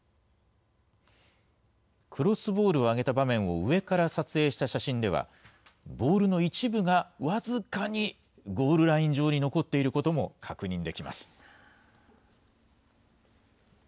クロスボールを上げた場面を上から撮影した写真では、ボールの一部が僅かにゴールライン上に残っていることも確認できます。